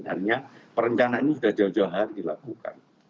artinya perencanaan ini sudah jauh jauh hari dilakukan